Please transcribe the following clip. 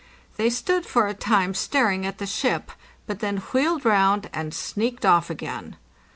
They stood fora time staring at the ship, but then wheeled round and sneaked off again.